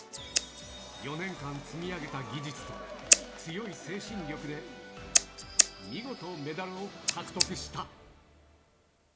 ４年間積み上げた技術と強い精神力で見事、メダルを獲得した。